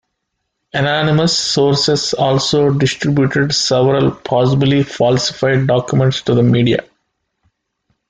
Anonymous sources also distributed several, possibly falsified, documents to the media.